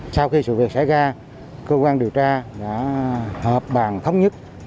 sau khi sự việc xảy ra cơ quan điều tra đã họp bàn thống nhất